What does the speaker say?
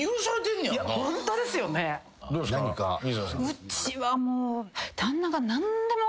うちはもう。